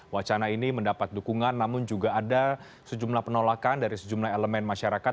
wacana ini mendapat dukungan namun juga ada sejumlah penolakan dari sejumlah elemen masyarakat